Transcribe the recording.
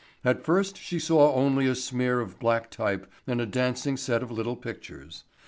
At first she saw only a smear of black type and a dancing set of little pictures.